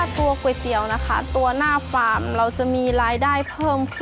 ๕ตัวก๋วยเตี๋ยวนะคะตัวหน้าฟาร์ม